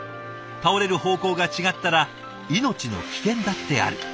倒れる方向が違ったら命の危険だってある。